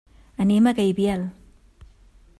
Anem a Gaibiel.